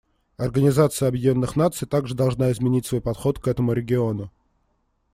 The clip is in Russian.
Организация Объединенных Наций также должна изменить свой подход к этому региону.